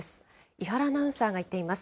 伊原アナウンサーが行っています。